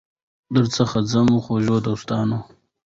درڅخه ځمه خوږو دوستانو